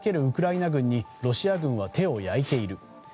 ウクライナ軍にロシア軍は手を焼いている。